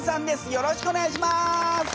よろしくお願いします！